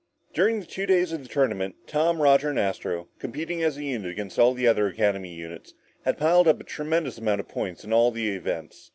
During the two days of the tournament, Tom, Roger and Astro, competing as a unit against all the other academy units, had piled up a tremendous amount of points in all the events.